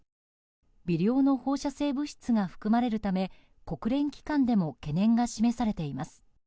微量の放射性物質が含まれるため国連機関でも懸念が示されています。